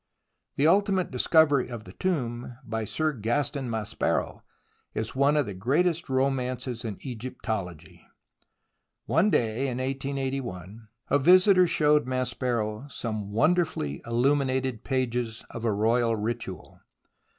The ultimate discovery of the tomb by Sir Gaston Maspero is one of the greatest romances of Egyptology. One day in 1881, a visitor showed Maspero some wonderfully illuminated pages of a royal ritual.